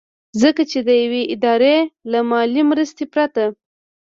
ځکه چې د يوې ادارې له مالي مرستې پرته